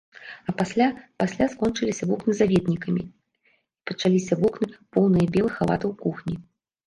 А пасля, пасля скончыліся вокны з наведнікамі і пачаліся вокны, поўныя белых халатаў кухні.